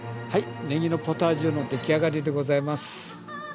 はいねぎのポタージュのできあがりでございます。